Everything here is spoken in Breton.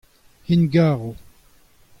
int 'garo.